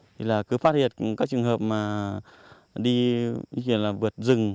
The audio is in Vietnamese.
thì là cứ phát hiện các trường hợp mà đi là vượt rừng